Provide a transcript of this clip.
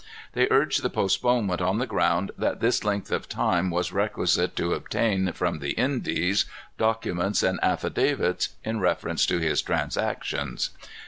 They urged the postponement on the ground that this length of time was requisite to obtain, from the Indies, documents and affidavits in reference to his transactions.